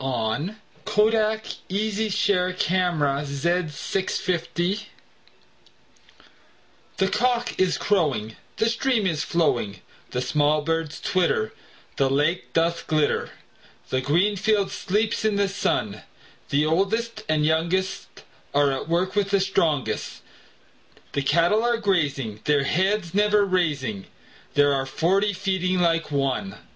William Wordsworth Written in March THE cock is crowing, The stream is flowing, The small birds twitter, The lake doth glitter The green field sleeps in the sun; The oldest and youngest Are at work with the strongest; The cattle are grazing, Their heads never raising; There are forty feeding like one!